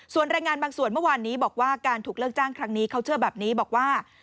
ส่วนรายงานบางส่วนเมื่อวานนี้บอกว่าการถูกเลิกจ้างครั้งนี้เขาเชื่อแบบนี้บอกว่า